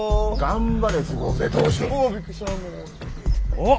おっ！